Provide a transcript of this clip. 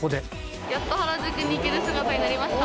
やっと原宿に行ける姿になりました。